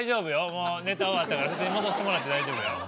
もうネタ終わったから戻してもらって大丈夫よ。